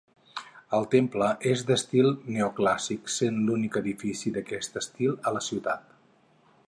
El temple és d'estil neoclàssic, sent l'únic edifici d'aquest estil a la ciutat.